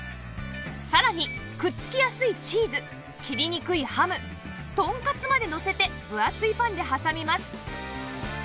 さらにくっつきやすいチーズ切りにくいハムとんかつまでのせて分厚いパンで挟みます